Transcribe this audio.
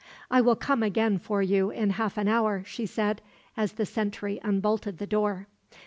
"I will come again for you, in half an hour," she said, as the sentry unbolted the door.